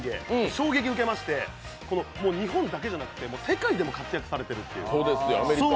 衝撃を受けまして、日本だけじゃなくて世界でも活躍されている方です。